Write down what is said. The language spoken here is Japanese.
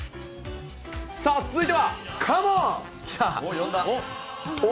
さあ、続いては、カモン！